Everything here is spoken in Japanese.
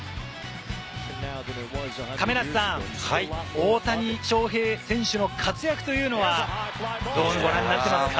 亀梨さん、大谷翔平選手の活躍は、どうご覧になっていますか？